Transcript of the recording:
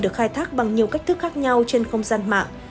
được khai thác bằng nhiều cách thức khác nhau trên không gian mạng